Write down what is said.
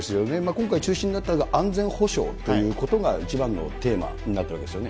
今回、中心になったのが安全保障ということが一番のテーマになっているわけですよ